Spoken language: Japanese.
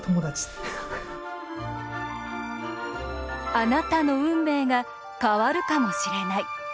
あなたの運命が変わるかもしれない。